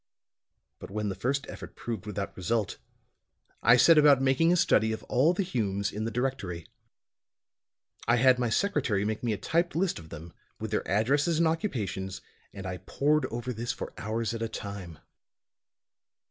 But when the first effort proved without result, I set about making a study of all the Humes in the directory. I had my secretary make me a typed list of them, with their addresses and occupations, and I pored over this for hours at a time.